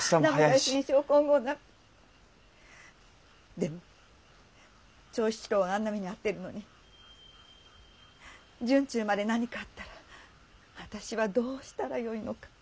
でも長七郎があんな目に遭ってるのに惇忠まで何かあったら私はどうしたらよいのか。